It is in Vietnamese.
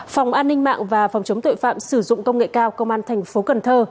phòng an ninh mạng và phòng chống tội phạm sử dụng công nghệ cao công an thành phố cần thơ